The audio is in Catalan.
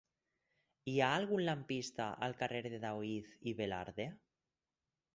Hi ha algun lampista al carrer de Daoíz i Velarde?